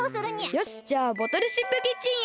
よしじゃあボトルシップキッチンへ。